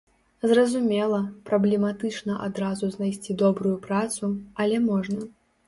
Зразумела, праблематычна адразу знайсці добрую працу, але можна.